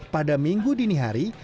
pada minggu dini hari